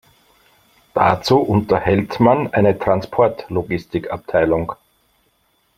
Dazu unterhält man eine Transportlogistik-Abteilung.